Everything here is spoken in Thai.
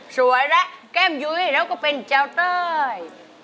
และแก้มยุ้ยแล้วก็เป็นเจ้าเต้ย